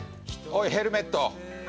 おいヘルメット！